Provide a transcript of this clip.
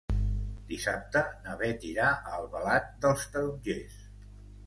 Dissabte na Beth irà a Albalat dels Tarongers.